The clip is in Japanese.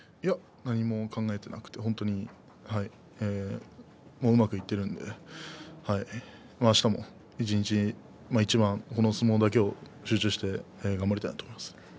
何も考えていなくてうまくいっているので明日も一日一番相撲だけを集中して頑張りたいと思います。